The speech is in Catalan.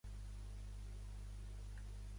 Això és un genocidi en tota regla.